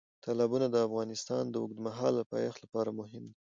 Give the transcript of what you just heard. تالابونه د افغانستان د اوږدمهاله پایښت لپاره مهم دي.